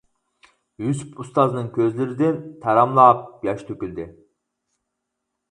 يۈسۈپ ئۇستازنىڭ كۆزلىرىدىن تاراملاپ ياش تۆكۈلدى.